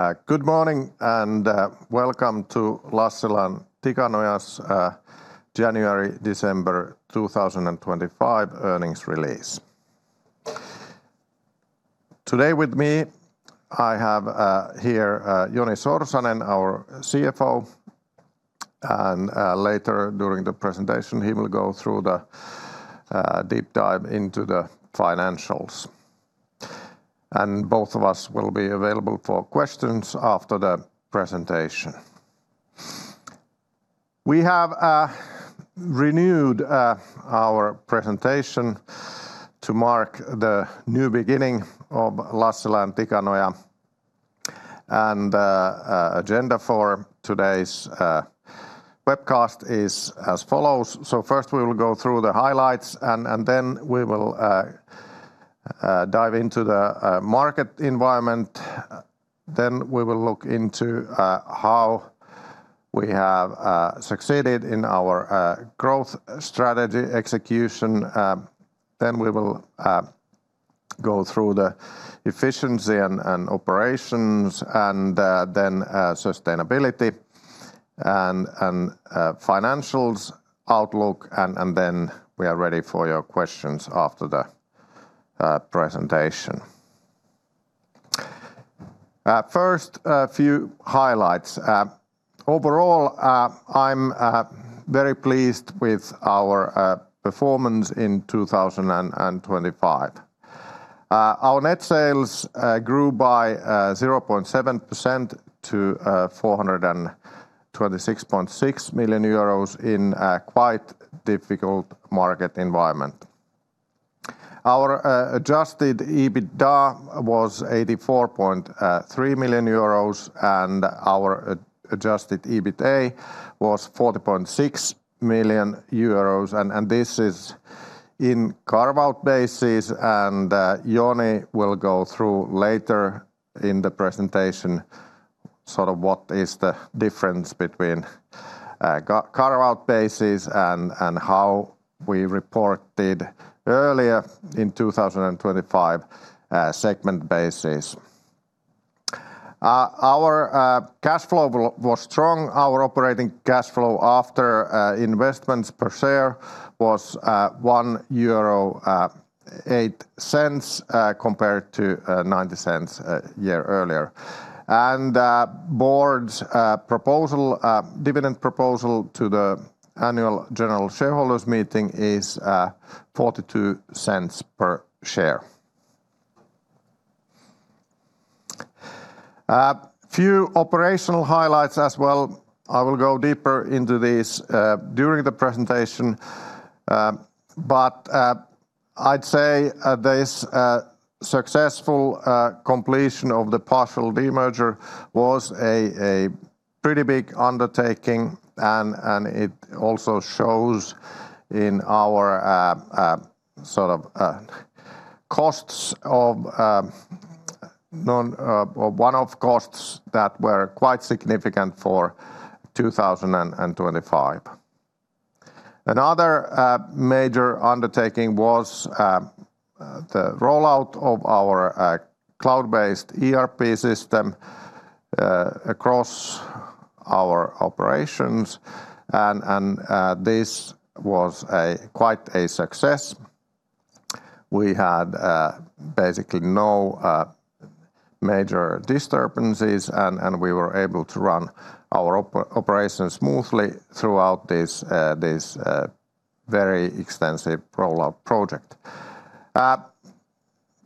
Goodmorning and welcome to Lassila & Tikanoja's January-December 2025 Earnings Release. Today with me, I have Joni Sorsanen, our CFO, and later during the presentation, he will go through the deep dive into the financials. Both of us will be available for questions after the presentation. We have renewed our presentation to mark the new beginning of Lassila & Tikanoja. The agenda for today's webcast is as follows: First we will go through the highlights. Then we will dive into the market environment. Then we will look into how we have succeeded in our growth strategy execution. We will go through the efficiency and operations, then sustainability, and financials outlook, then we are ready for your questions after the presentation. First, a few highlights. Overall, I'm very pleased with our performance in 2025. Our net sales grew by 0.7% to 426.6 million euros in a quite difficult market environment. Our adjusted EBITDA was 84.3 million euros, and our adjusted EBITA was 40.6 million euros, and this is in carve-out basis. Joni will go through later in the presentation, sort of what is the difference between carve-out basis and how we reported earlier in 2025, segment basis strong. Our operating cash flow after investments per share was 1.08 euro compared to 0.90 year earlier. Board's proposal, dividend proposal to the annual general shareholders' meeting is 0.42 per share. Few operational highlights as well. I will go deeper into this during the presentation, but I'd say this successful completion of the partial demerger was a pretty big undertaking, and it also shows in our sort of costs of non- or one-off costs that were quite significant for 2025. Another major undertaking was the rollout of our cloud-based ERP system across our operations, and this was quite a success We had basically no major disturbances, and we were able to run our operations smoothly throughout this very extensive rollout project.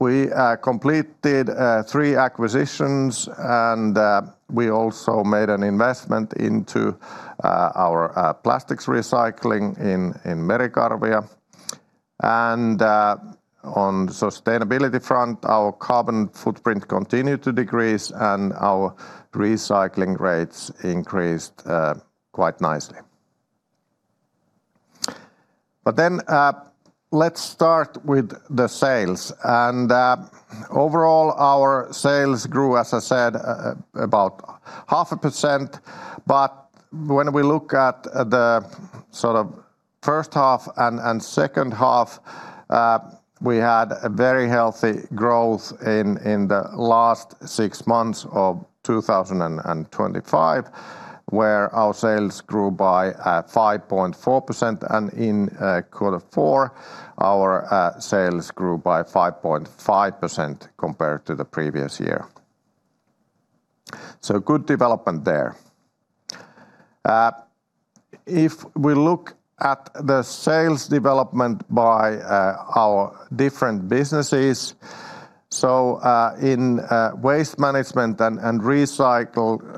We completed three acquisitions, and we also made an investment into our plastics recycling in Merikarvia. On sustainability front, our carbon footprint continued to decrease, and our recycling rates increased quite nicely. Let's start with the sales. Overall, our sales grew, as I said, about half a percent. When we look at the sort of first half and second half, we had a very healthy growth in the last six months of 2025, where our sales grew by 5.4%, and in quarter four, our sales grew by 5.5% compared to the previous year. Good development there. If we look at the sales development by our different businesses, in waste management and recycling,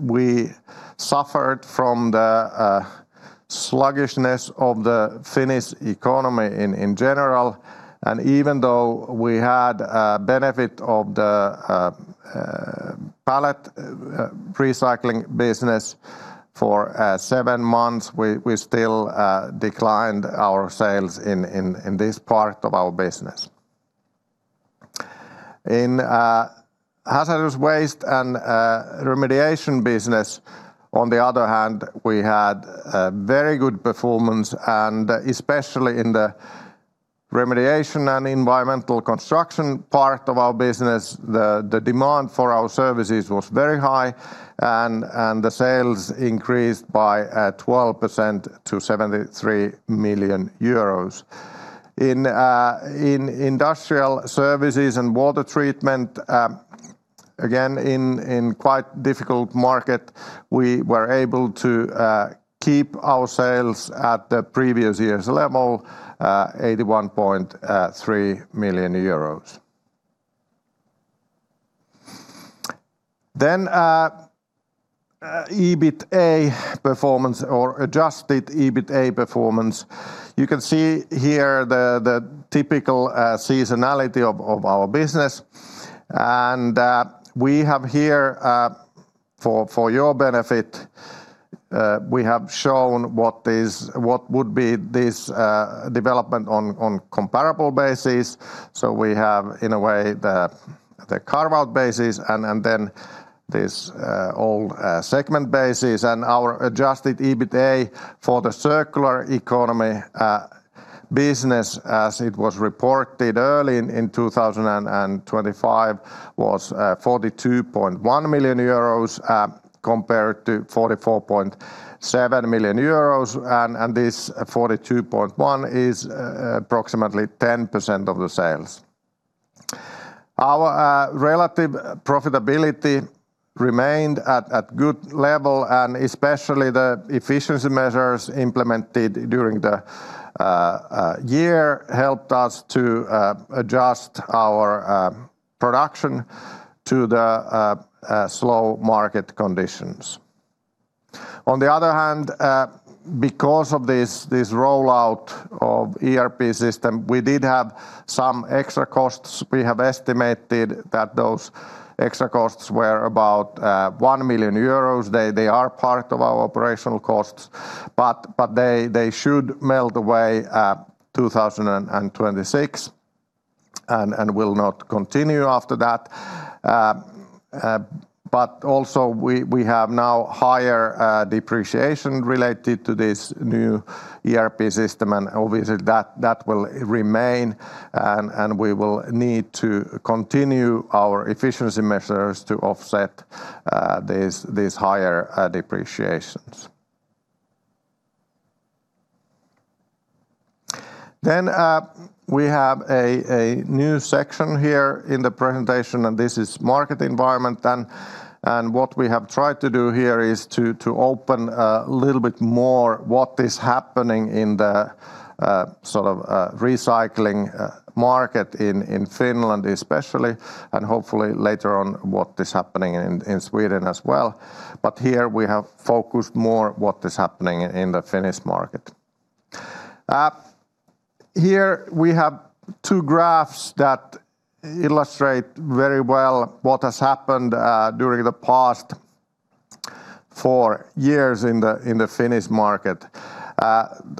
we suffered from the sluggishness of the Finnish economy in general. Even though we had a benefit of the pallet recycling business for seven months, we still declined our sales in this part of our business. In hazardous waste and remediation business, on the other hand, we had a very good performance, and especially in the remediation and environmental construction part of our business, the demand for our services was very high, and the sales increased by 12% to EUR 73 million. In industrial services and water treatment, again, in quite difficult market, we were able to keep our sales at the previous year's level, 81.3 million euros. EBITA performance or adjusted EBITA performance, you can see here the typical seasonality of our business. We have here, for your benefit, we have shown what would be this development on comparable basis. We have, in a way, the carve-out basis and then this old segment basis. Our adjusted EBITA for the circular economy business, as it was reported early in 2025, was 42.1 million euros compared to 44.7 million euros, and this 42.1 is approximately 10% of the sales. Our relative profitability remained at good level, and especially the efficiency measures implemented during the year helped us to adjust our production to the slow market conditions. On the other hand, because of this rollout of ERP system, we did have some extra costs. We have estimated that those extra costs were about 1 million euros. They are part of our operational costs, but they should melt away 2026 and will not continue after that. Also, we have now higher depreciation related to this new ERP system, and obviously, that will remain, and we will need to continue our efficiency measures to offset these higher depreciations. We have a new section here in the presentation. This is market environment. What we have tried to do here is to open a little bit more what is happening in the sort of recycling market in Finland, especially, and hopefully later on, what is happening in Sweden as well. Here we have focused more what is happening in the Finnish market. Here we have two graphs that illustrate very well what has happened during the past four years in the Finnish market.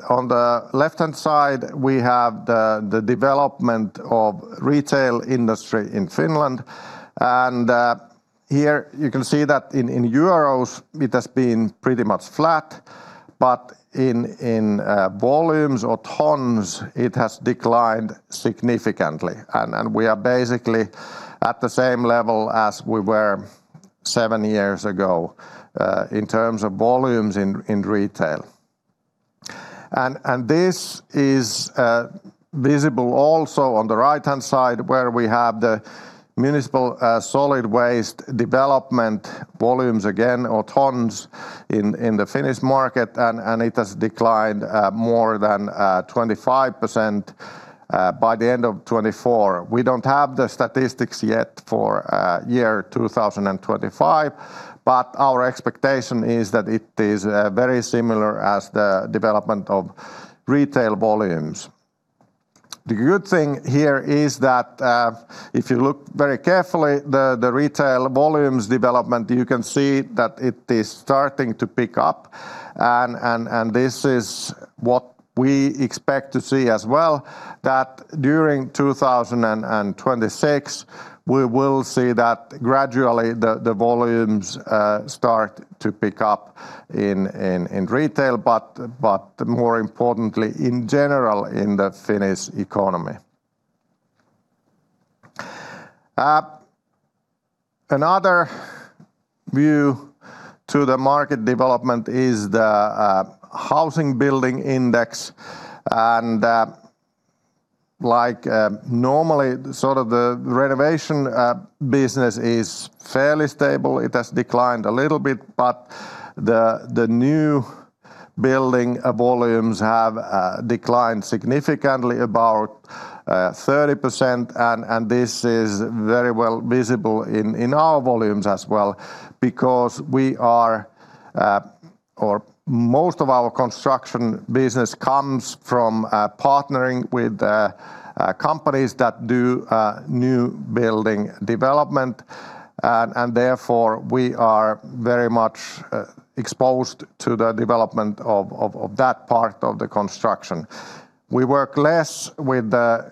On the left-hand side, we have the development of retail industry in Finland. Here you can see that in euros, it has been pretty much flat, but in volumes or tons, it has declined significantly. We are basically at the same level as we were seven years ago in terms of volumes in retail. This is visible also on the right-hand side, where we have the municipal solid waste development volumes again, or tons, in the Finnish market. It has declined more than 25% by the end of 2024. We don't have the statistics yet for year 2025, but our expectation is that it is very similar as the development of retail volumes. The good thing here is that if you look very carefully, the retail volumes development, you can see that it is starting to pick up. This is what we expect to see as well, that during 2026, we will see that gradually the volumes start to pick up in retail, but more importantly, in general, in the Finnish economy. Another view to the market development is the housing building index, and like normally, sort of the renovation business is fairly stable. It has declined a little bit, but the new building volumes have declined significantly, about 30%, and this is very well visible in our volumes as well. We are or most of our construction business comes from partnering with companies that do new building development, therefore, we are very much exposed to the development of that part of the construction. We work less with the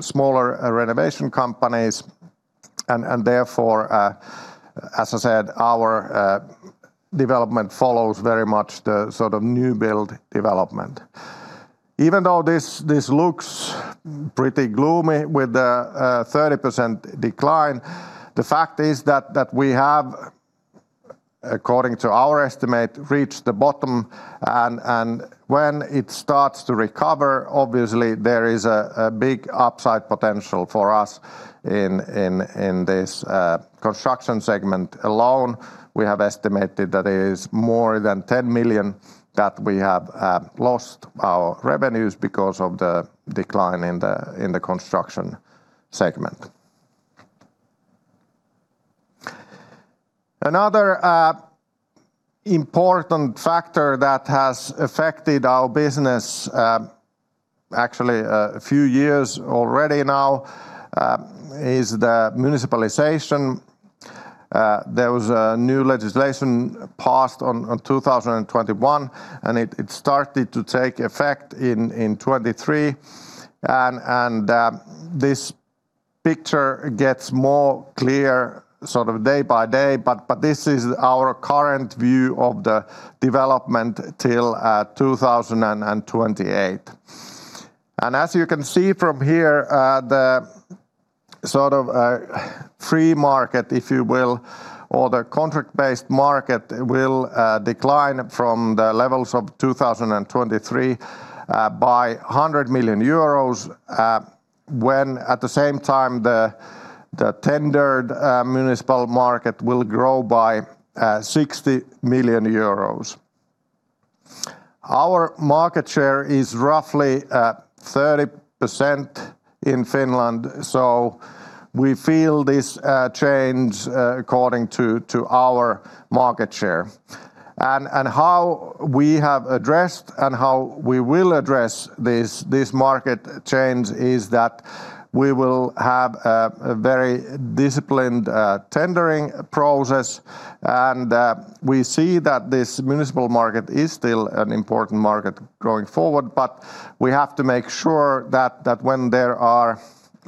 smaller renovation companies. Therefore, as I said, our development follows very much the sort of new build development. Even though this looks pretty gloomy with a 30% decline, the fact is that we have, according to our estimate, reached the bottom. When it starts to recover, obviously there is a big upside potential for us in this construction segment alone. We have estimated that it is more than 10 million that we have lost our revenues because of the decline in the construction segment. Another important factor that has affected our business, actually, a few years already now, is the municipalization. There was a new legislation passed on in 2021, and it started to take effect in 2023. This picture gets more clear sort of day by day, but this is our current view of the development till 2028. As you can see from here, the sort of free market, if you will, or the contract-based market, will decline from the levels of 2023 by 100 million euros, when at the same time, the tendered municipal market will grow by 60 million euros. Our market share is roughly 30% in Finland, so we feel this change according to our market share. How we have addressed and how we will address this market change is that we will have a very disciplined tendering process. We see that this municipal market is still an important market going forward, but we have to make sure that when there are,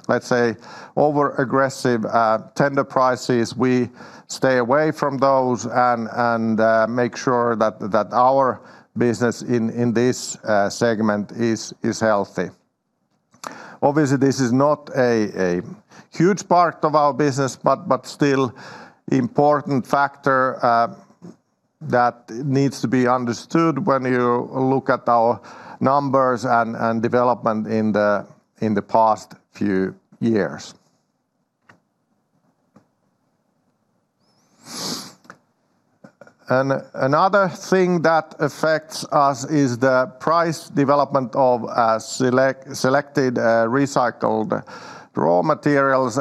let's say, overaggressive tender prices, we stay away from those and make sure that our business in this segment is healthy. Obviously, this is not a huge part of our business, but still important factor that needs to be understood when you look at our numbers and development in the past few years. Another thing that affects us is the price development of selected recycled raw materials.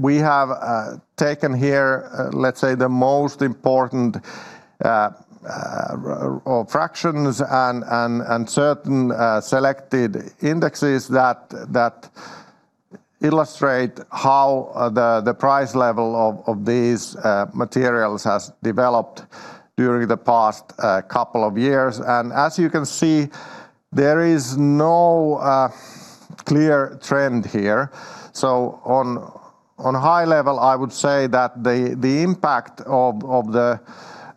We have taken here, let's say, the most important fractions and certain selected indexes that illustrate how the price level of these materials has developed during the past couple of years. As you can see, there is no clear trend here. On a high level, I would say that the impact of the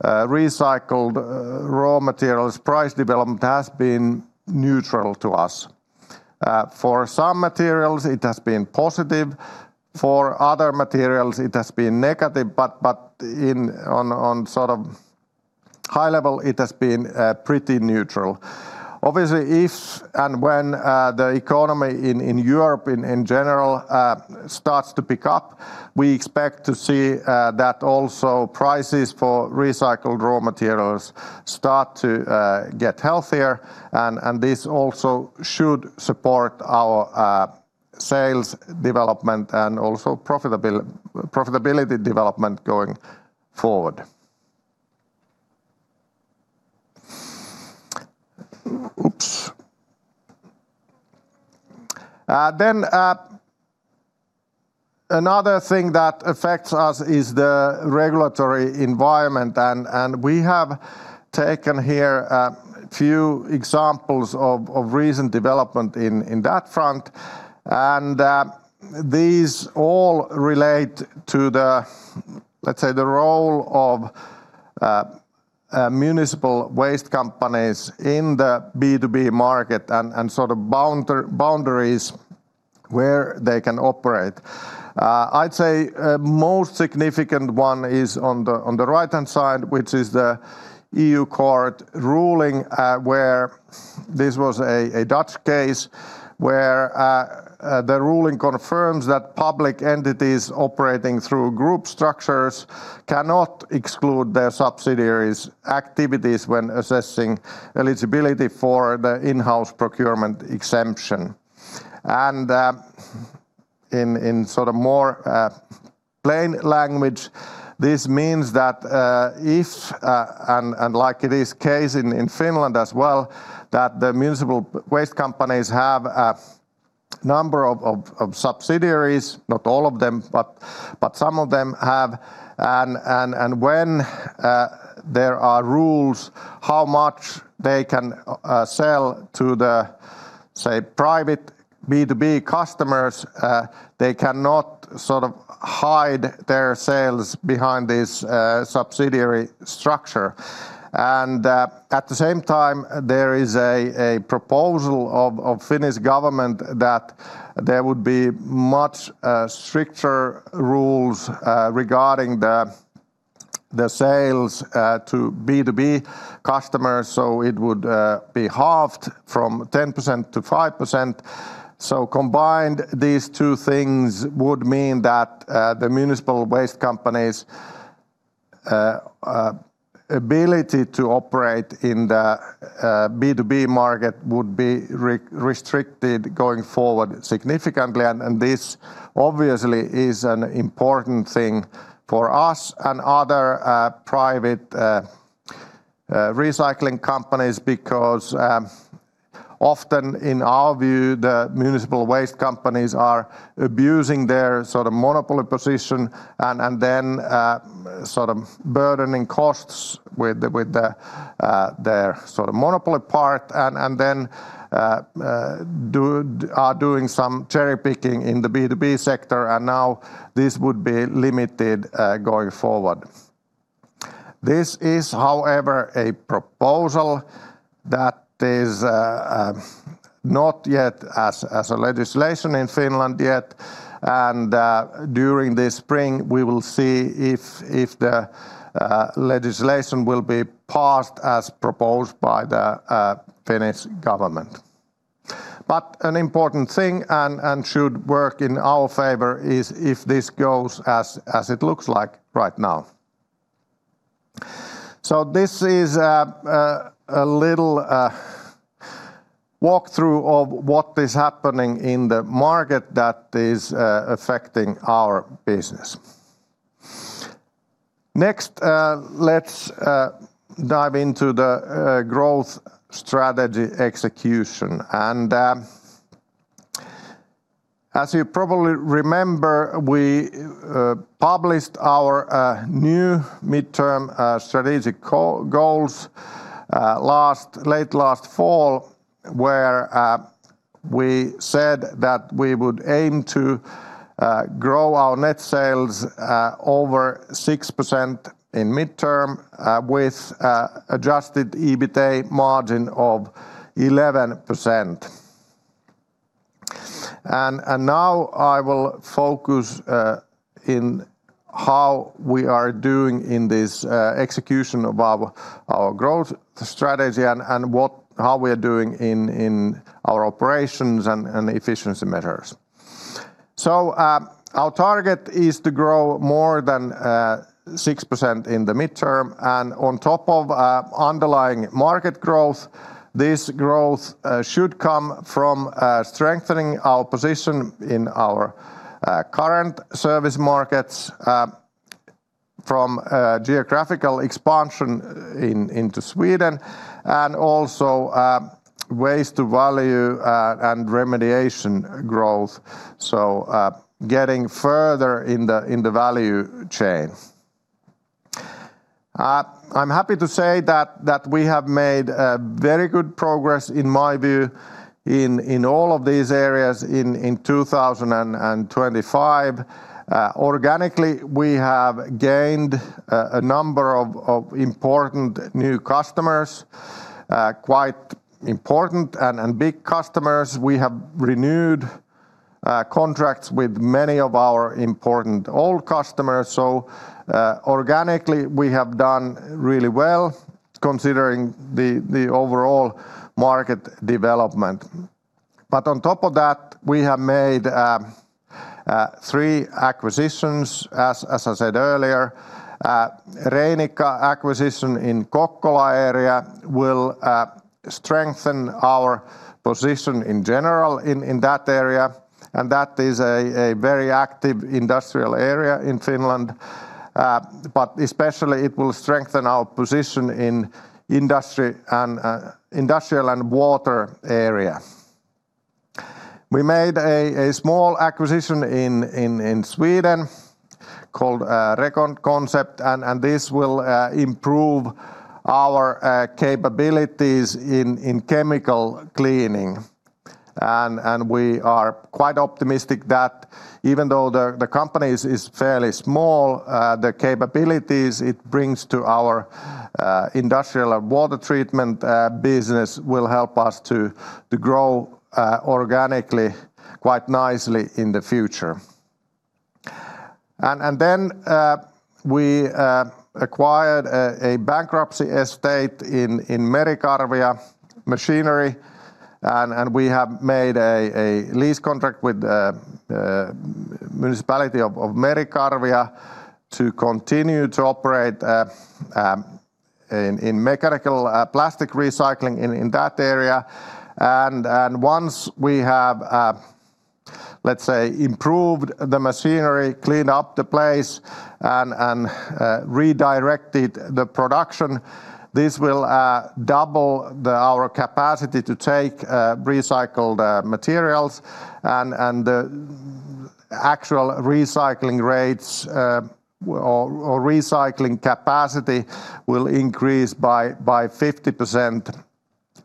recycled raw materials' price development has been neutral to us. For some materials, it has been positive, for other materials, it has been negative, but on sort of high level, it has been pretty neutral. Obviously, if and when, the economy in Europe, in general, starts to pick up, we expect to see, that also prices for recycled raw materials start to, get healthier, and this also should support our, sales development and also profitability development going forward. Oops! Then, another thing that affects us is the regulatory environment, and we have taken here a few examples of recent development in that front. These all relate to the, let's say, the role of, municipal waste companies in the B2B market and sort of boundaries where they can operate. I'd say most significant one is on the right-hand side, which is the EU court ruling, where this was a Dutch case, where the ruling confirms that public entities operating through group structures cannot exclude their subsidiaries' activities when assessing eligibility for the in-house procurement exemption. In sort of more plain language, this means that if, and like it is case in Finland as well, that the municipal waste companies have a number of subsidiaries, not all of them, but some of them have. When there are rules how much they can sell to the, say, private B2B customers, they cannot sort of hide their sales behind this subsidiary structure. At the same time, there is a proposal of Finnish government that there would be much stricter rules regarding the sales to B2B customers, so it would be halved from 10% to 5%. Combined, these two things would mean that the municipal waste companies' ability to operate in the B2B market would be restricted going forward significantly. This obviously is an important thing for us and other private recycling companies, because often in our view, the municipal waste companies are abusing their sort of monopoly position, and then sort of burdening costs with their sort of monopoly part and then doing some cherry-picking in the B2B sector, and now this would be limited going forward. This is, however, a proposal that is not yet as a legislation in Finland yet, and during this spring, we will see if the legislation will be passed as proposed by the Finnish government. An important thing, and should work in our favor, is if this goes as it looks like right now. This is a little walkthrough of what is happening in the market that is affecting our business. Next, let's dive into the growth strategy execution. As you probably remember, we published our new midterm strategic goals late last fall, where we said that we would aim to grow our net sales over 6% in midterm, with adjusted EBITA margin of 11%. Now I will focus in how we are doing in this execution of our growth strategy, and how we are doing in our operations and efficiency measures. Our target is to grow more than 6% in the midterm, and on top of underlying market growth, this growth should come from strengthening our position in our current service markets, from geographical expansion into Sweden, and also waste to value and remediation growth, so getting further in the value chain. I'm happy to say that we have made very good progress, in my view, in all of these areas in 2025. Organically, we have gained a number of important new customers, quite important and big customers. We have renewed contracts with many of our important old customers, organically, we have done really well, considering the overall market development. On top of that, we have made three acquisitions. As I said earlier, Reinikka acquisition in Kokkola area will strengthen our position in general in that area, and that is a very active industrial area in Finland. Especially it will strengthen our position in industry and industrial and water area. We made a small acquisition in Sweden called RecondConcept, and this will improve our capabilities in chemical cleaning. We are quite optimistic that even though the company is fairly small, the capabilities it brings to our industrial and water treatment business will help us to grow organically quite nicely in the future. We acquired a bankruptcy estate in Merikarvian Konepaja Oy, and we have made a lease contract with the municipality of Merikarvia to continue to operate in mechanical plastic recycling in that area. Once we have, let's say, improved the machinery, cleaned up the place, and redirected the production, this will double our capacity to take recycled materials. Actual recycling rates or recycling capacity will increase by 50%.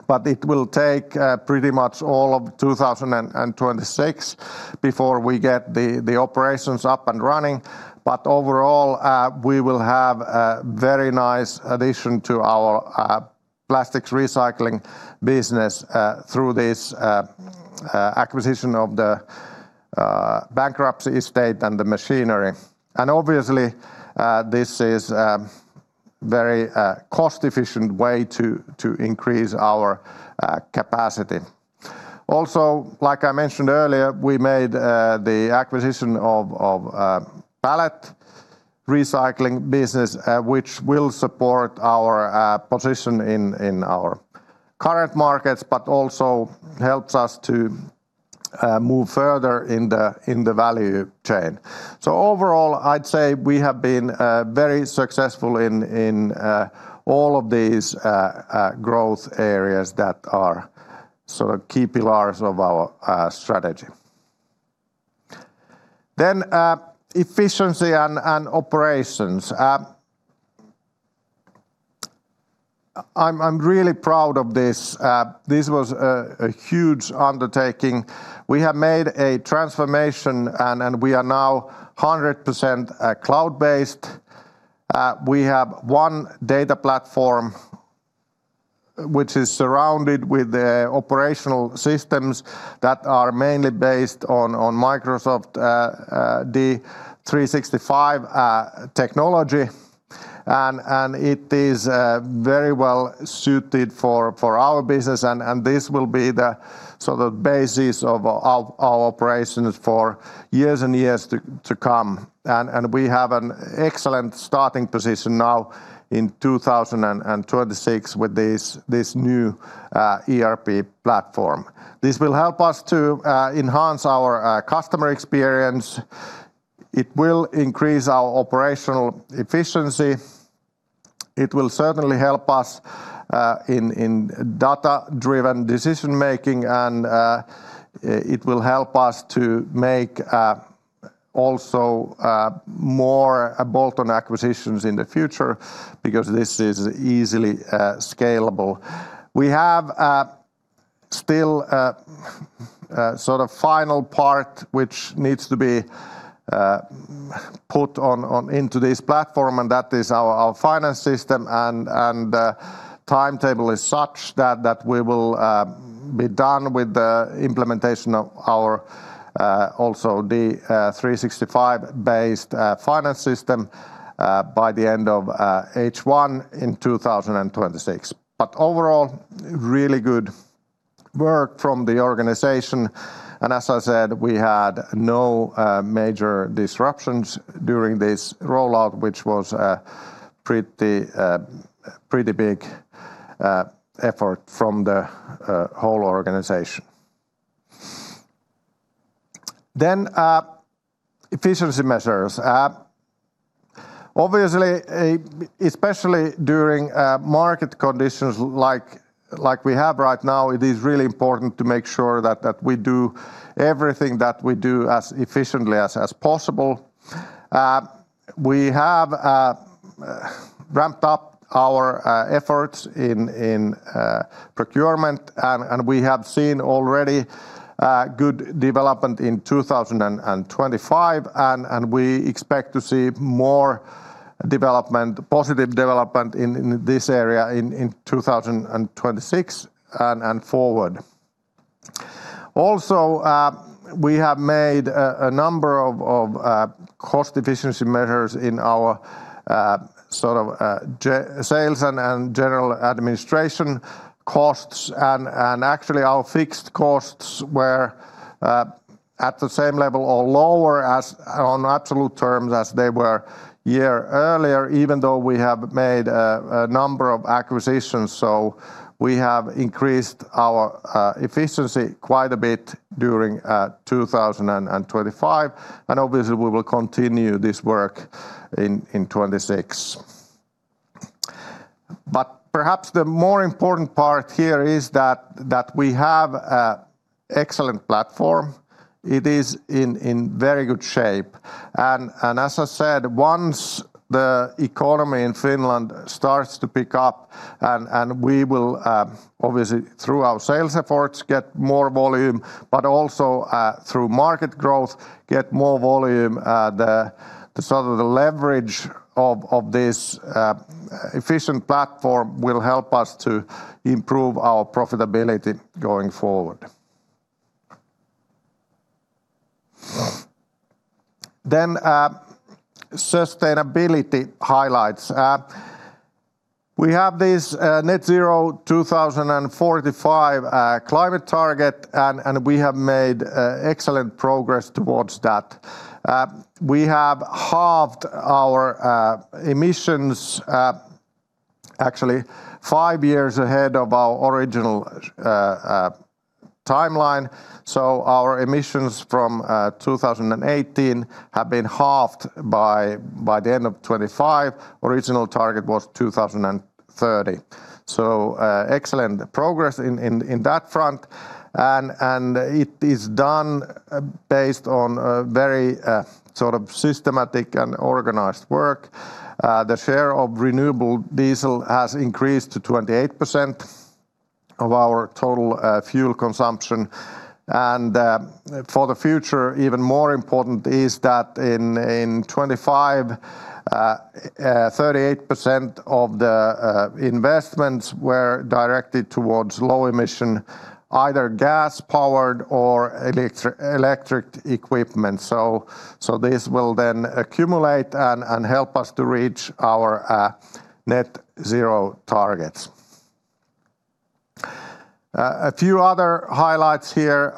It will take pretty much all of 2026 before we get the operations up and running. Overall, we will have a very nice addition to our plastics recycling business through this acquisition of the bankruptcy estate and the machinery. Obviously, this is a very cost-efficient way to increase our capacity. Also, like I mentioned earlier, we made the acquisition of pallet recycling business, which will support our position in our current markets, but also helps us to move further in the value chain. Overall, I'd say we have been very successful in all of these growth areas that are sort of key pillars of our strategy. Efficiency and operations. I'm really proud of this. This was a huge undertaking. We have made a transformation, and we are now 100% cloud-based. We have one data platform, which is surrounded with the operational systems that are mainly based on Microsoft D365 technology. It is very well-suited for our business, and this will be the sort of basis of our operations for years and years to come. We have an excellent starting position now in 2026 with this new ERP platform. This will help us to enhance our customer experience. It will increase our operational efficiency. It will certainly help us in data-driven decision-making, and it will help us to make also more bolt-on acquisitions in the future because this is easily scalable. We have still sort of final part, which needs to be put into this platform, and that is our finance system. The timetable is such that we will be done with the implementation of our also D365-based finance system by the end of H1 in 2026. Overall, really good work from the organization, and as I said, we had no major disruptions during this rollout, which was a pretty big effort from the whole organization. Efficiency measures. Obviously, especially during market conditions like we have right now, it is really important to make sure that we do everything that we do as efficiently as possible. We have ramped up our efforts in procurement, we have seen already good development in 2025. We expect to see more development, positive development in this area in 2026 and forward. Also, we have made a number of cost efficiency measures in our sort of sales and general administration costs. Actually, our fixed costs were at the same level or lower on absolute terms, as they were year earlier, even though we have made a number of acquisitions. We have increased our efficiency quite a bit during 2025, and obviously, we will continue this work in 2026. Perhaps the more important part here is that we have a excellent platform. It is in very good shape. As I said, once the economy in Finland starts to pick up, and we will, obviously, through our sales efforts, get more volume, but also, through market growth, get more volume, the sort of the leverage of this efficient platform will help us to improve our profitability going forward. Sustainability highlights. We have this net zero 2045 climate target, and we have made excellent progress towards that. We have halved our emissions, actually five years ahead of our original timeline. Our emissions from 2018 have been halved by the end of 2025. Original target was 2030. Excellent progress in that front, it is done based on very sort of systematic and organized work. The share of renewable diesel has increased to 28% of our total fuel consumption, for the future, even more important is that in 2025, 38% of the investments were directed towards low emission, either gas-powered or electric equipment. This will then accumulate and help us to reach our net zero targets. A few other highlights here.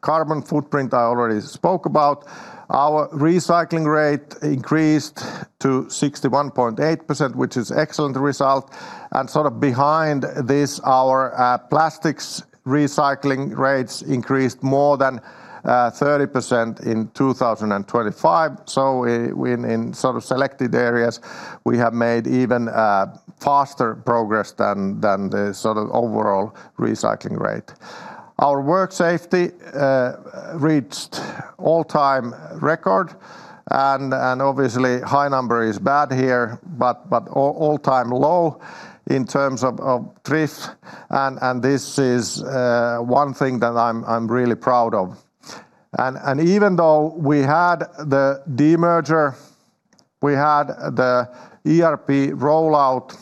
Carbon footprint, I already spoke about. Our recycling rate increased to 61.8%, which is excellent result. Sort of behind this, our plastics recycling rates increased more than 30% in 2025. We, in sort of selected areas, we have made even faster progress than the sort of overall recycling rate. Our work safety reached all-time record. Obviously, high number is bad here, but all-time low in terms of TRIF. This is one thing that I'm really proud of. Even though we had the demerger, we had the ERP rollout,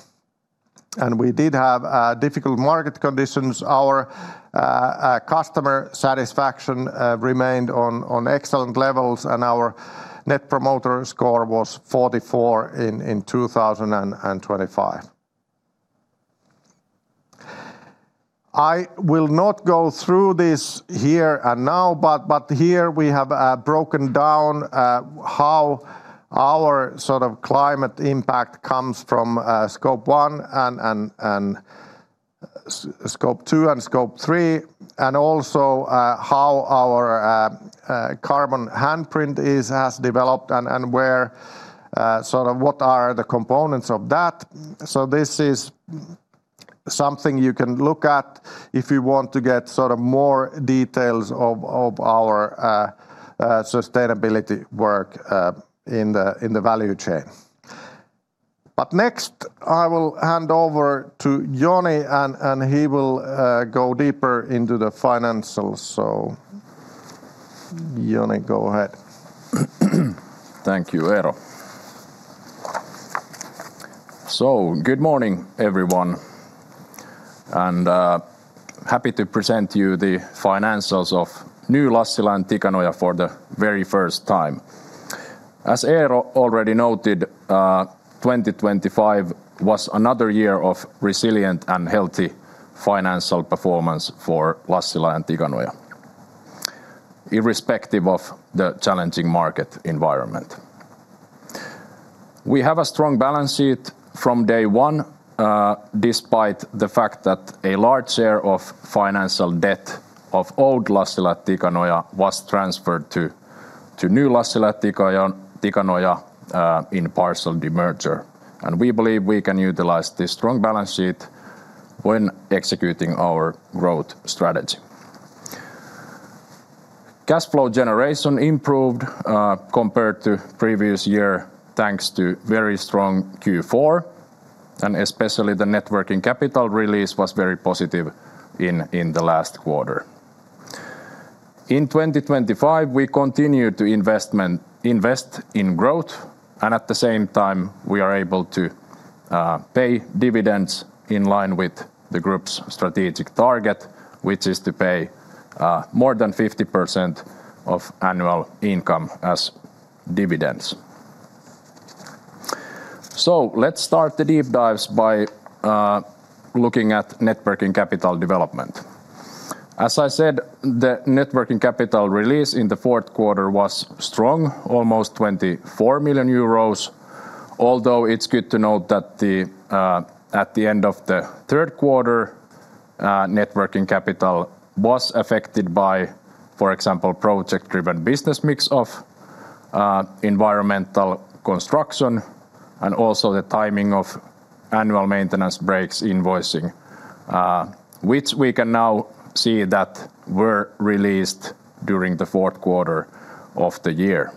and we did have difficult market conditions, our customer satisfaction remained on excellent levels, and our Net Promoter Score was 44 in 2025. I will not go through this here and now, but here we have broken down how our sort of climate impact comes from Scope 1 and Scope 2 and Scope 3, and also how our carbon handprint has developed, and where sort of what are the components of that. This is something you can look at if you want to get sort of more details of our sustainability work in the value chain. Next, I will hand over to Joni, and he will go deeper into the financials. Joni, go ahead. Thank you, Eero. Good morning, everyone, and happy to present you the financials of new Lassila & Tikanoja for the very first time. As Eero already noted, 2025 was another year of resilient and healthy financial performance for Lassila & Tikanoja, irrespective of the challenging market environment. We have a strong balance sheet from day one, despite the fact that a large share of financial debt of old Lassila & Tikanoja was transferred to new Lassila & Tikanoja in partial demerger. We believe we can utilize this strong balance sheet when executing our growth strategy. Cash flow generation improved compared to previous year, thanks to very strong Q4. Especially the net working capital release was very positive in the last quarter. In 2025, we continued to invest in growth, and at the same time, we are able to pay dividends in line with the group's strategic target, which is to pay more than 50% of annual income as dividends. Let's start the deep dives by looking at net working capital development. As I said, the net working capital release in the fourth quarter was strong, almost 24 million euros, although it's good to note that the at the end of the third quarter, net working capital was affected by, for example, project-driven business mix of environmental construction and also the timing of annual maintenance breaks invoicing, which we can now see that were released during the fourth quarter of the year.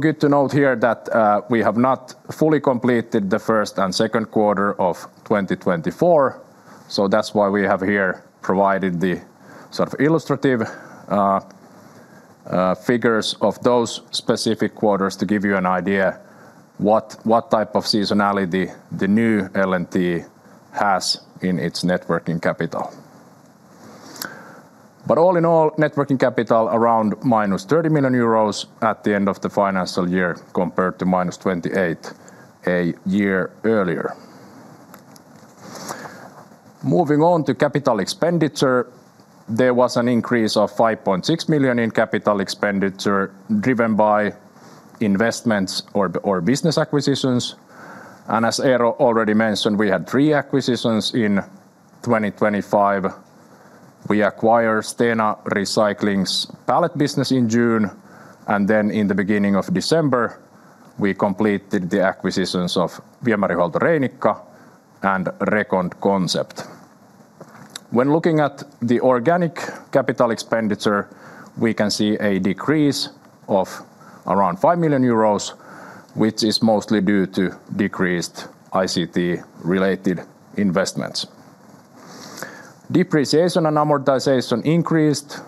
Good to note here that we have not fully completed the 1st and 2nd quarter of 2024, that's why we have here provided the sort of illustrative figures of those specific quarters to give you an idea what type of seasonality the new L&T has in its net working capital. All in all, net working capital around minus 30 million euros at the end of the financial year, compared to minus 28 a year earlier. Moving on to capital expenditure, there was an increase of 5.6 million in capital expenditure, driven by investments or business acquisitions, and as Eero already mentioned, we had three acquisitions in 2025. We acquired Stena Recycling's pallet business in June. Then in the beginning of December, we completed the acquisitions of Viemärihuolto Reinikka and RecondConcept. When looking at the organic capital expenditure, we can see a decrease of around 5 million euros, which is mostly due to decreased ICT-related investments. Depreciation and amortization increased.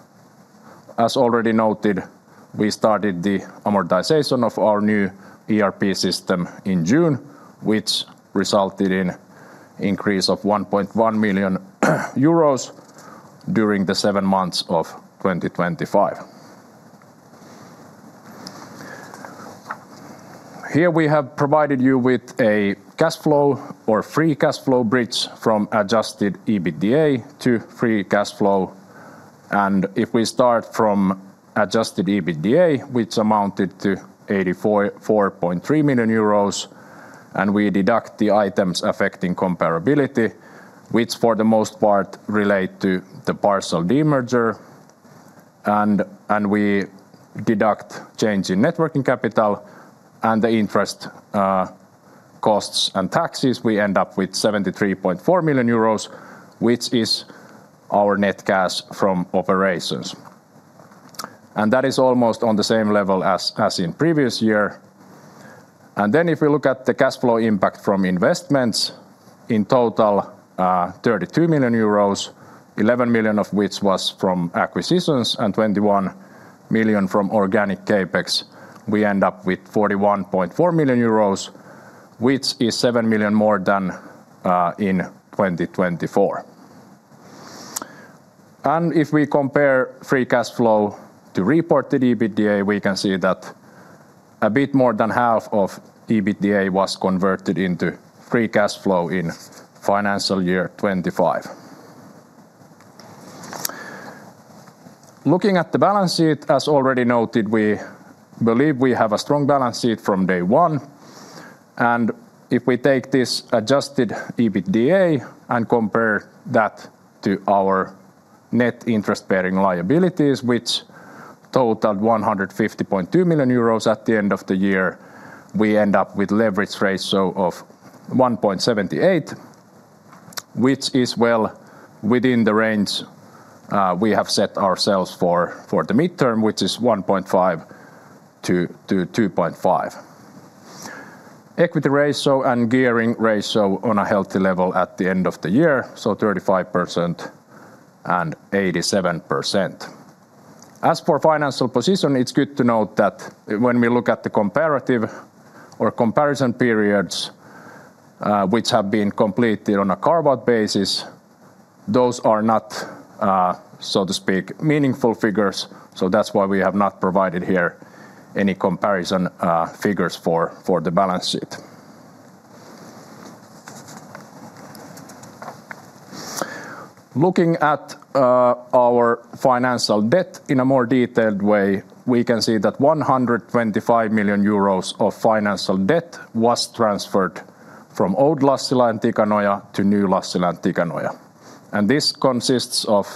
As already noted, we started the amortization of our new ERP system in June, which resulted in increase of 1.1 million euros during the seven months of 2025. Here we have provided you with a cash flow or free cash flow bridge from adjusted EBITDA to free cash flow. If we start from adjusted EBITDA, which amounted to 84.3 million euros, and we deduct the items affecting comparability, which for the most part relate to the partial demerger, and we deduct change in net working capital and the interest costs and taxes, we end up with 73.4 million euros, which is our net cash from operations. That is almost on the same level as in previous year. If we look at the cash flow impact from investments, in total, 32 million euros, 11 million of which was from acquisitions and 21 million from organic CapEx, we end up with 41.4 million euros, which is 7 million more than in 2024. If we compare free cash flow to reported EBITDA, we can see that a bit more than half of EBITDA was converted into free cash flow in financial year 2025. Looking at the balance sheet, as already noted, we believe we have a strong balance sheet from day one. If we take this adjusted EBITDA and compare that to our net interest-bearing liabilities, which totaled 150.2 million euros at the end of the year, we end up with leverage ratio of 1.78, which is well within the range we have set ourselves for the midterm, which is 1.5-2.5. Equity ratio and gearing ratio on a healthy level at the end of the year, 35% and 87%. As for financial position, it's good to note that when we look at the comparative or comparison periods, which have been completed on a carve-out basis, those are not, so to speak, meaningful figures, so that's why we have not provided here any comparison figures for the balance sheet. Looking at our financial debt in a more detailed way, we can see that 125 million euros of financial debt was transferred from old Lassila & Tikanoja to new Lassila & Tikanoja. This consists of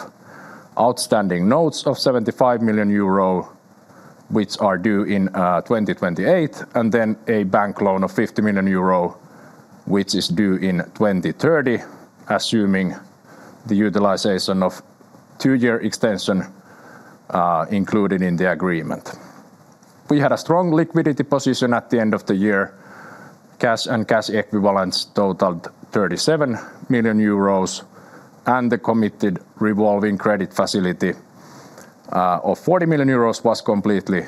outstanding notes of 75 million euro, which are due in 2028, and then a bank loan of 50 million euro, which is due in 2030, assuming the utilization of two-year extension included in the agreement. We had a strong liquidity position at the end of the year. Cash and cash equivalents totaled 37 million euros, the committed revolving credit facility of 40 million euros was completely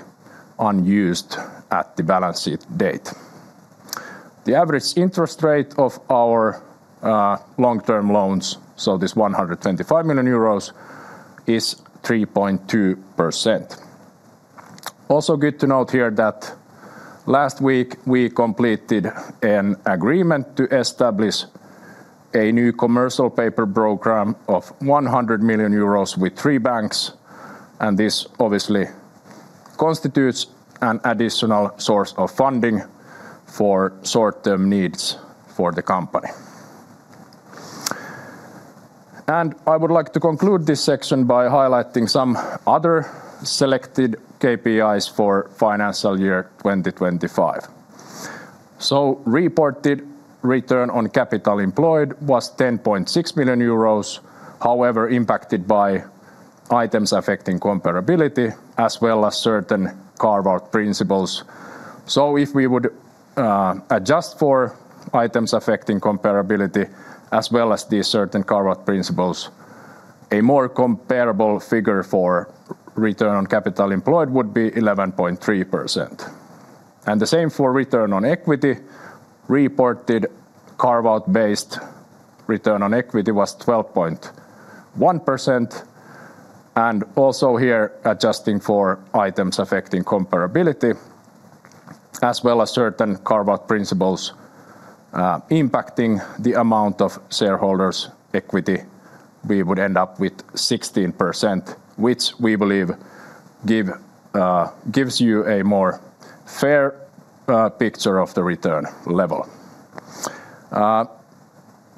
unused at the balance sheet date. The average interest rate of our long-term loans, so this 125 million euros, is 3.2%. Also good to note here that last week, we completed an agreement to establish a new commercial paper program of 100 million euros with three banks. This obviously constitutes an additional source of funding for short-term needs for the company. I would like to conclude this section by highlighting some other selected KPIs for financial year 2025. Reported return on capital employed was 10.6 million euros, however, impacted by items affecting comparability as well as certain carve-out principles. If we would adjust for items affecting comparability as well as these certain carve-out principles, a more comparable figure for return on capital employed would be 11.3%. The same for return on equity. Reported carve-out-based return on equity was 12.1%, and also here, adjusting for items affecting comparability as well as certain carve-out principles, impacting the amount of shareholders' equity, we would end up with 16%, which we believe give you a more fair picture of the return level.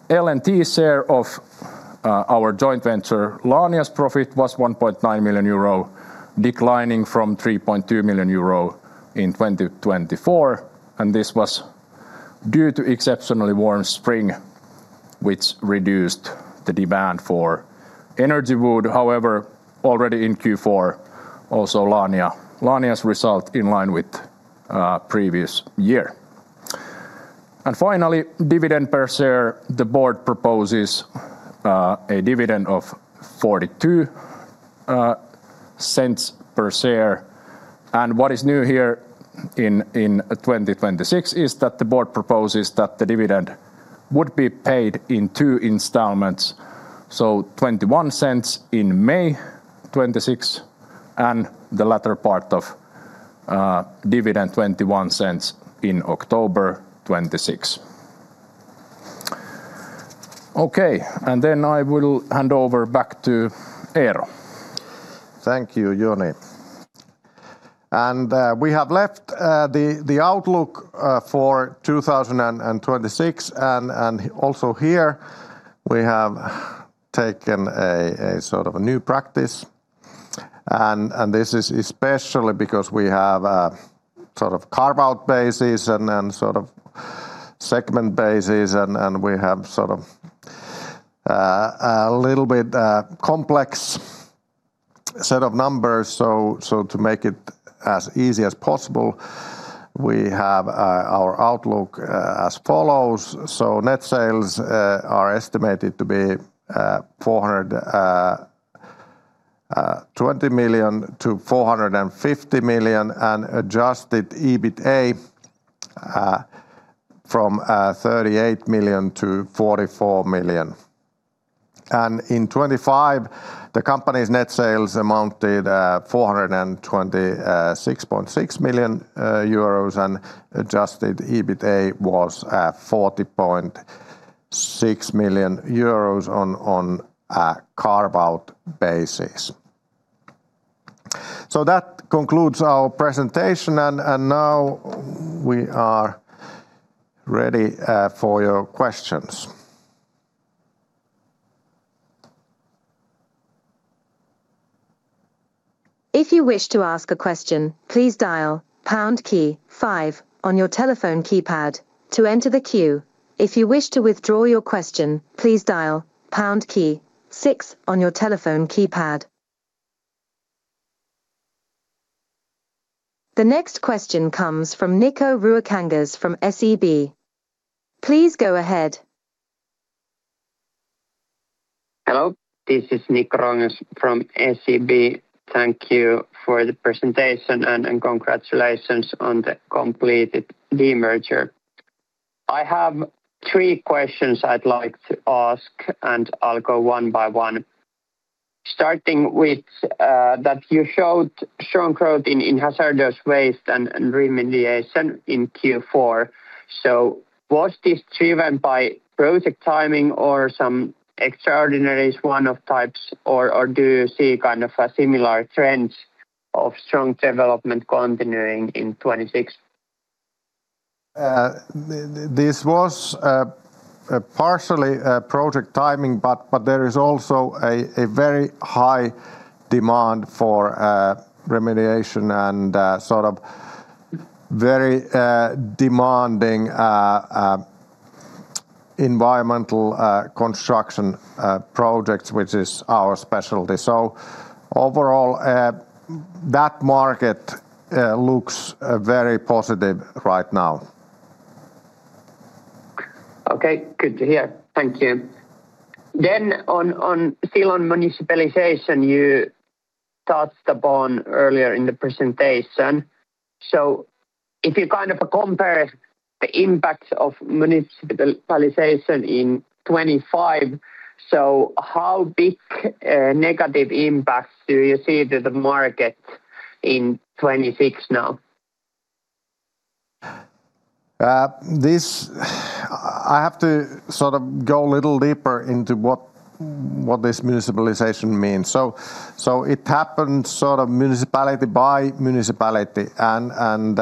LNT's share of our joint venture, Länia's profit was 1.9 million euro, declining from 3.2 million euro in 2024, and this was due to exceptionally warm spring, which reduced the demand for energy wood. However, already in Q4, also Länia's result in line with previous year. Finally, dividend per share, the board proposes a dividend of 0.42 per share. What is new here in 2026 is that the board proposes that the dividend would be paid in two installments, so 0.21 in May 2026, and the latter part of dividend 0.21 in October 2026. Okay, I will hand over back to Eero. Thank you, Joni. We have left the outlook for 2026, and also here we have taken a sort of a new practice. This is especially because we have a sort of carve-out basis and then sort of segment basis, and we have sort of a little bit complex set of numbers. To make it as easy as possible, we have our outlook as follows. Net sales are estimated to be 420 million-450 million, and adjusted EBITA from 38 million-44 million. In 2025, the company's net sales amounted 426.6 million euros, and adjusted EBITA was 40.6 million euros on a carve-out basis. That concludes our presentation, and now we are ready for your questions. If you wish to ask a question, please dial pound key five on your telephone keypad to enter the queue. If you wish to withdraw your question, please dial pound key six on your telephone keypad. The next question comes from Nikko Ruokangas from SEB. Please go ahead. Hello, this is Nikko Ruokangas from SEB. Thank you for the presentation, and congratulations on the completed demerger. I have three questions I'd like to ask, and I'll go one by one. Starting with that you showed strong growth in hazardous waste and remediation in Q4, was this driven by project timing or some extraordinary one-off types, or do you see kind of a similar trend of strong development continuing in 2026? This was a partially project timing, but there is also a very high demand for remediation and sort of very demanding environmental construction projects, which is our specialty. Overall, that market looks very positive right now. Okay, good to hear. Thank you. Still on municipalization, you touched upon earlier in the presentation, so if you kind of compare the impact of municipalization in 2025, how big negative impacts do you see to the market in 2026 now? This, I have to sort of go a little deeper into what this municipalization means. It happens sort of municipality by municipality, and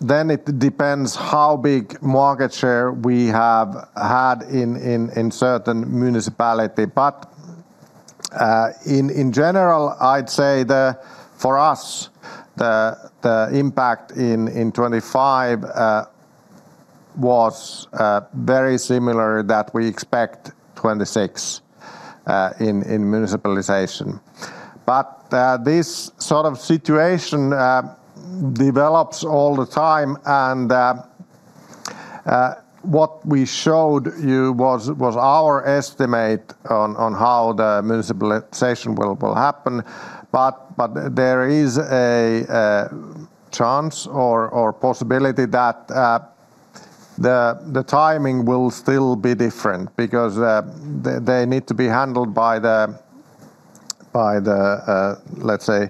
then it depends how big market share we have had in certain municipality. In general, I'd say for us, the impact in 2025 was very similar that we expect 2026 in municipalization. This sort of situation develops all the time, and what we showed you was our estimate on how the municipalization will happen. There is a chance or possibility that the timing will still be different because they need to be handled by the let's say,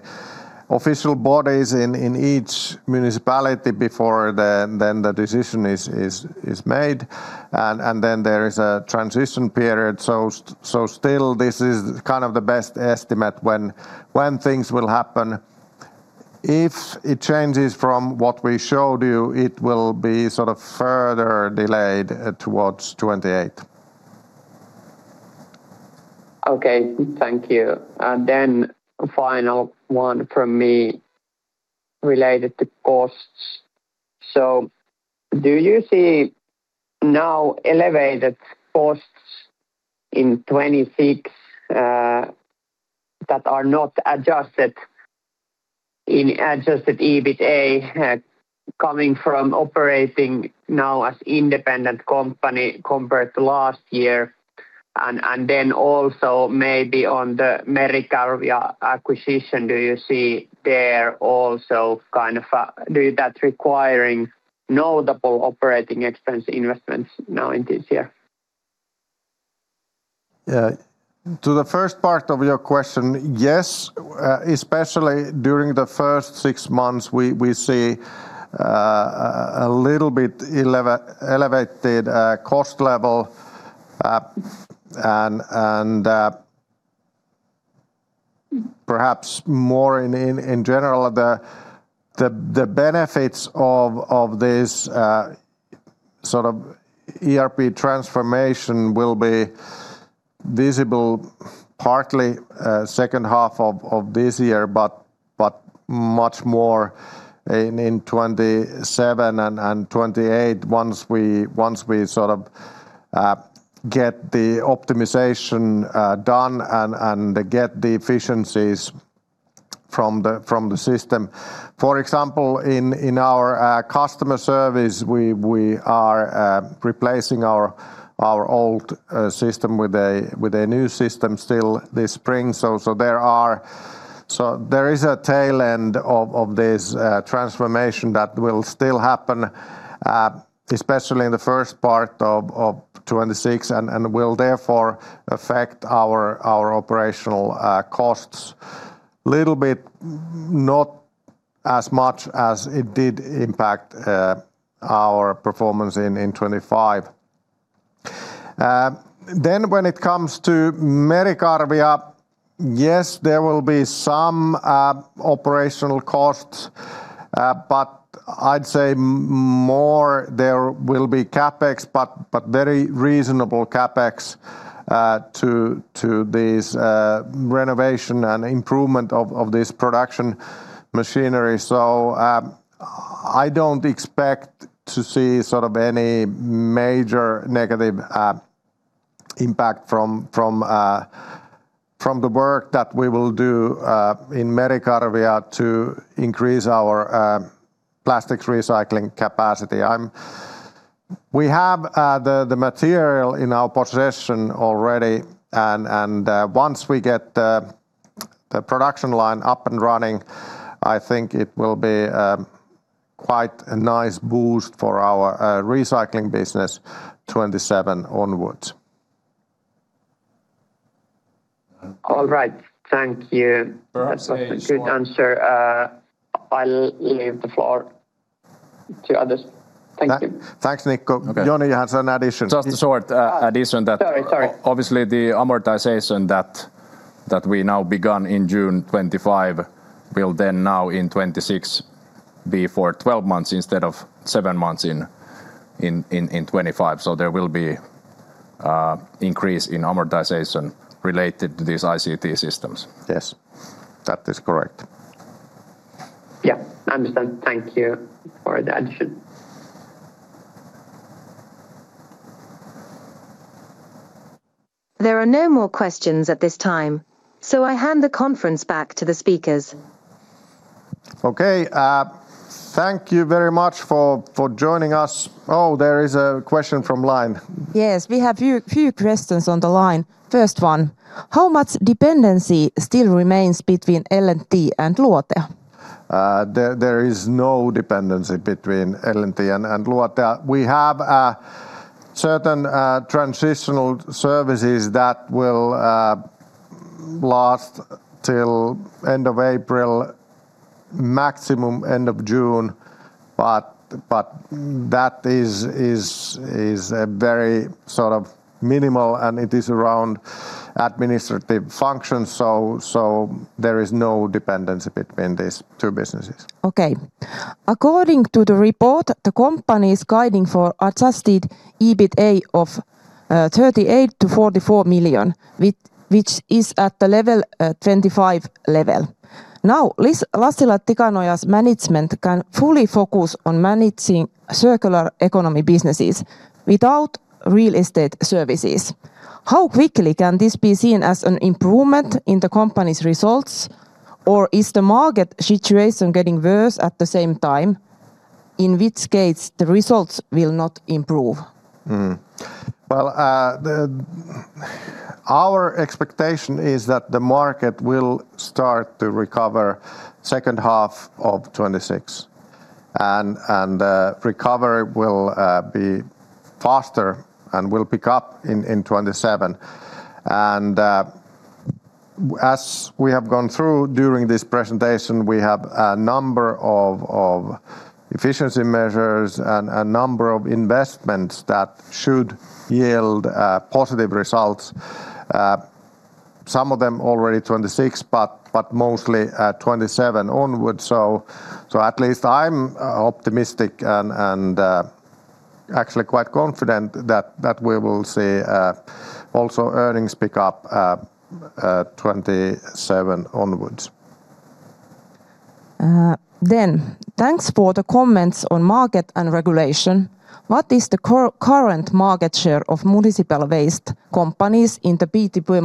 official bodies in each municipality before then the decision is made, and then there is a transition period. Still, this is kind of the best estimate when things will happen. If it changes from what we showed you, it will be sort of further delayed towards 2028. Okay, thank you. Final one from me related to costs. Do you see now elevated costs in 2026 that are not adjusted in adjusted EBITA coming from operating now as independent company compared to last year? Also maybe on the Merikarvia acquisition, do you see there also kind of requiring notable OpEx investments now in this year? To the first part of your question, yes, especially during the first six months, we see a little bit elevated cost level. Perhaps more in general, the benefits of this sort of ERP transformation will be visible partly, second half of this year, but much more in 2027 and 2028 once we sort of get the optimization done and get the efficiencies from the system. For example, in our customer service, we are replacing our old system with a new system still this spring. There is a tail end of this transformation that will still happen, especially in the first part of 26, and will therefore affect our operational costs little bit, not as much as it did impact our performance in 25. Then when it comes to Merikarvia, yes, there will be some operational costs, but I'd say more there will be CapEx, but very reasonable CapEx to this renovation and improvement of this production machinery. I don't expect to see sort of any major negative impact from the work that we will do in Merikarvia to increase our plastics recycling capacity. We have the material in our possession already, and once we get the production line up and running, I think it will be quite a nice boost for our recycling business 27 onwards. All right. Thank you. Perhaps. That's a good answer. I'll leave the floor to others. Thank you. Thanks, Nikko. Okay. Johnny, you have an addition. Just a short, addition. Sorry. Obviously, the amortization that we now begun in June 25 will then now in 26 be for 12 months instead of seven months in 25. There will be increase in amortization related to these ICT systems. Yes, that is correct. Yeah, understood. Thank you for the addition. There are no more questions at this time. I hand the conference back to the speakers. Thank you very much for joining us. There is a question from line. We have few questions on the line. First one, how much dependency still remains between L&T and Loiste? There is no dependency between L&T and Loiste. We have a certain transitional services that will last till end of April, maximum end of June, but that is a very sort of minimal, and it is around administrative functions. There is no dependency between these two businesses. Okay. According to the report, the company is guiding for adjusted EBITA of 38 million-44 million, which is at the 25 level. This Lassila & Tikanoja's management can fully focus on managing circular economy businesses without real estate services. How quickly can this be seen as an improvement in the company's results? Is the market situation getting worse at the same time, in which case the results will not improve? Well, our expectation is that the market will start to recover second half of 2026, and recovery will be faster and will pick up in 2027. As we have gone through during this presentation, we have a number of efficiency measures and a number of investments that should yield positive results. Some of them already 2026, but mostly 2027 onwards, so at least I'm optimistic and actually quite confident that we will see also earnings pick up 2027 onwards. Thanks for the comments on market and regulation. What is the current market share of municipal waste companies in the B2B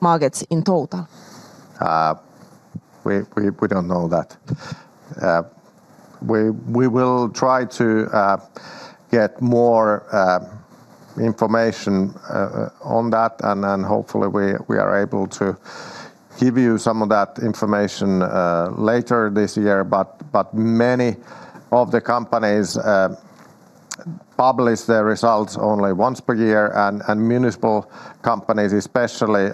markets in total? We don't know that. We will try to get more information on that, and then hopefully we are able to give you some of that information later this year. Many of the companies publish their results only once per year, and municipal companies especially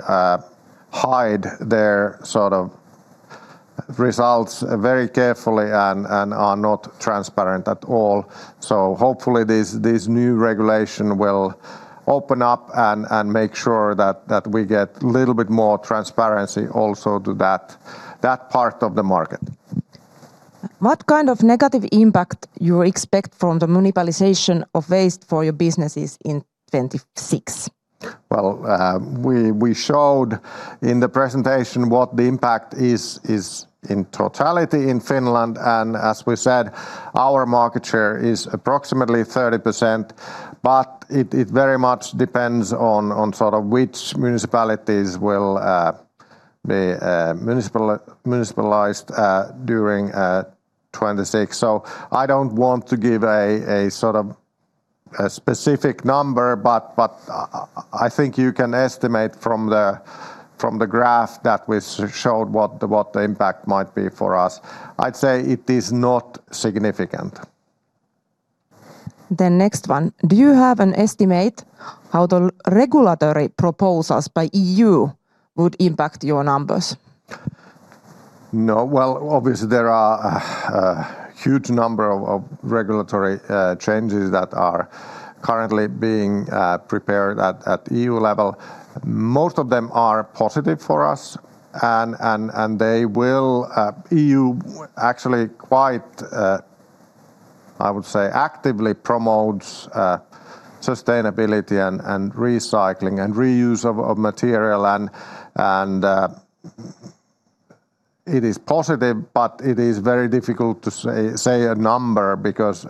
hide their sort of results very carefully and are not transparent at all. Hopefully this new regulation will open up and make sure that we get little bit more transparency also to that part of the market. What kind of negative impact you expect from the municipalization of waste for your businesses in 2026? Well, we showed in the presentation what the impact is in totality in Finland. As we said, our market share is approximately 30%, but it very much depends on sort of which municipalities will, be, municipalized, during 2026. I don't want to give a sort of a specific number, but, I think you can estimate from the, from the graph that we showed what the, what the impact might be for us. I'd say it is not significant. The next one: Do you have an estimate how the regulatory proposals by EU would impact your numbers? No. Well, obviously, there are a huge number of regulatory changes that are currently being prepared at EU level. Most of them are positive for us, and they will... EU actually quite, I would say, actively promotes sustainability and recycling, and reuse of material, and it is positive, but it is very difficult to say a number because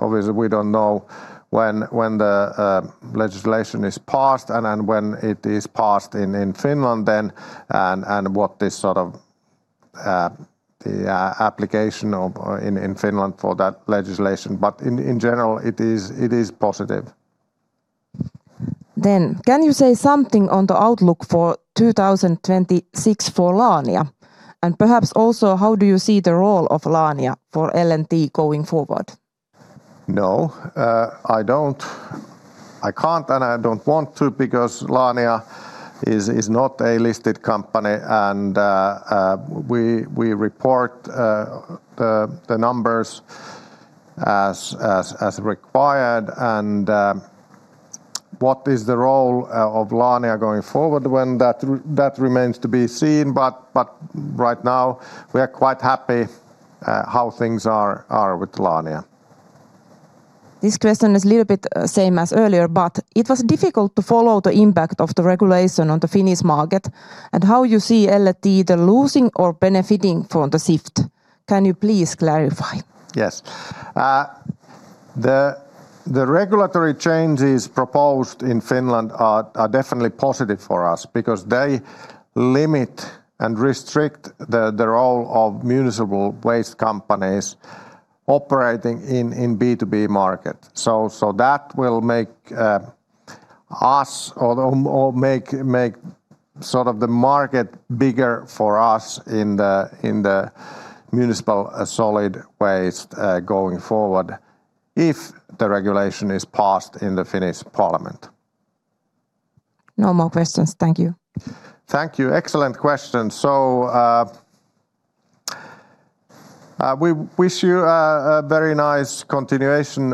obviously we don't know when the legislation is passed, and then when it is passed in Finland then, and what this sort of the application of in Finland for that legislation, but in general, it is positive. Can you say something on the outlook for 2026 for Länia? Perhaps also, how do you see the role of Länia for L&T going forward? No, I don't. I can't, and I don't want to because Länia is not a listed company, and we report the numbers as required. What is the role of Länia going forward? Well, that remains to be seen, but right now we are quite happy how things are with Länia. This question is a little bit same as earlier, but it was difficult to follow the impact of the regulation on the Finnish market and how you see L&T either losing or benefiting from the shift. Can you please clarify? Yes. The regulatory changes proposed in Finland are definitely positive for us because they limit and restrict the role of municipal waste companies operating in B2B market. So that will make us or make sort of the market bigger for us in the municipal solid waste going forward, if the regulation is passed in the Finnish Parliament. No more questions. Thank you. Thank you. Excellent questions. We wish you a very nice continuation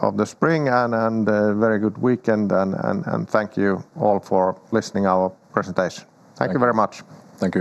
of the spring and a very good weekend, and thank you all for listening our presentation. Thank you very much. Thank you.